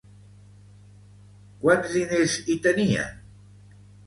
Quants diners hi tenien?